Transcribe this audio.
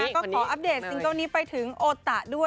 ก็ขออัปเดตซิงเกิลนี้ไปถึงโอตะด้วย